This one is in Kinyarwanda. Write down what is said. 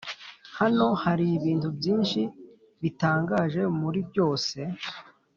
hano haribintu byinshi, bitangaje muri byose,